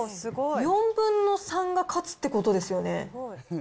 ４分の３がカツってことですよね